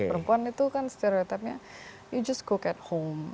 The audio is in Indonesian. perempuan itu kan stereotype nya you just cook at home